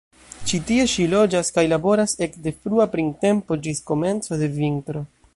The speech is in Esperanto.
Ĉi tie ŝi loĝas kaj laboras ekde frua printempo ĝis komenco de vintro.